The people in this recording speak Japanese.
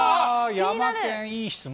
ヤマケン、いい質問。